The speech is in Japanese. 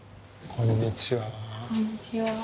こんにちは。